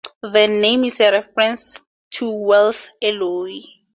The name is a reference to Wells' Eloi.